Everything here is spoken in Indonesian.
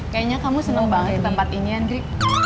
kayaknya kamu seneng banget ke tempat ini andri